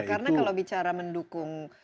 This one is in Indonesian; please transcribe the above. karena kalau bicara mendukung teror ya